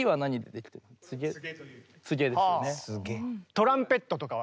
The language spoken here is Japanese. トランペットとかは？